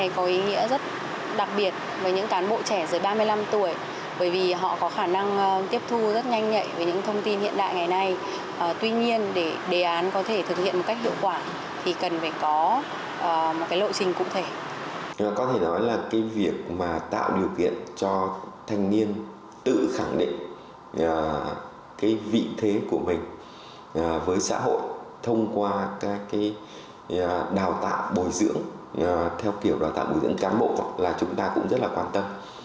các đào tạo bồi dưỡng theo kiểu đào tạo bồi dưỡng cán bộ là chúng ta cũng rất là quan tâm